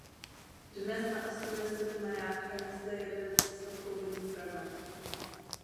Dnes na ostrově stojí maják a je zde jeden sladkovodní pramen.